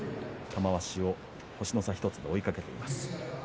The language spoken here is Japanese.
玉鷲を星の差１つで追いかけています。